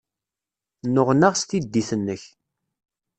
Nneɣnaɣ s tiddit-nnek.